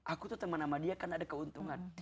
aku tuh teman sama dia kan ada keuntungan